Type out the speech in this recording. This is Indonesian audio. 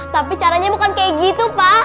tapi caranya bukan kaya gitu pa